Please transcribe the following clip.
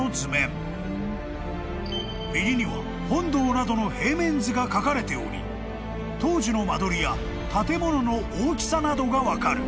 ［右には本堂などの平面図が描かれており当時の間取りや建物の大きさなどが分かる］